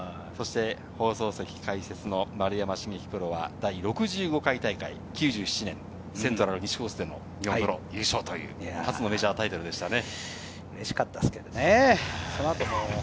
放送席解説の丸山茂樹プロは第６５回大会、９７年、セントラル西コースでの優勝、初のメジャータイトルでしたね。